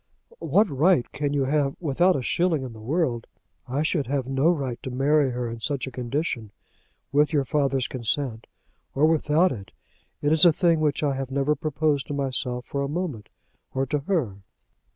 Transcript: "What right can you have, without a shilling in the world ?" "I should have no right to marry her in such a condition, with your father's consent or without it. It is a thing which I have never proposed to myself for a moment, or to her."